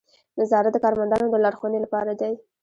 نظارت د کارمندانو د لارښوونې لپاره دی.